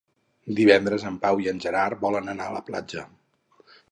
Divendres en Pau i en Gerard volen anar a la platja.